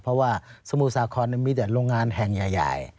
เพราะว่าสมุทรสาครมีแต่โรงงานแห่งใหญ่